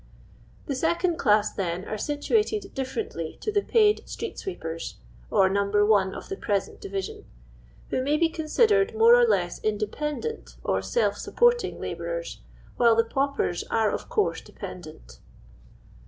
This second class, then, are situated differently to the paid street sweepers (cr No. 1 of the present division), who may be considered, more or lesi*, independent or self supporting labourers, while the paupers are, of coarse, dependent.